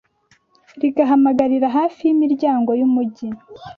rigahamagarira hafi y’imiryango y’umugi